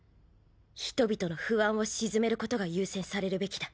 人々の不安を静めることが優先されるべきだ。